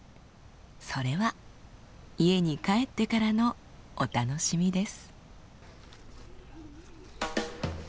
それは家に帰ってからのお楽しみです。